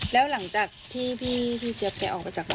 แล้วหลังจากที่พี่เจี๊ยบแกออกมาจากบ้าน